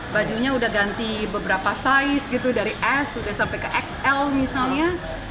bajunya udah ganti beberapa size gitu dari s sudah sampai ke xl misalnya